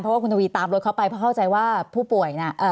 เพราะว่าคุณทวีตามรถเขาไปเพราะเข้าใจว่าผู้ป่วยน่ะ